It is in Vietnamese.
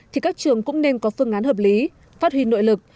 thì các trường cũng nên có phương án hợp lý phát huy nội lực